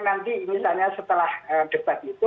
nanti misalnya setelah debat itu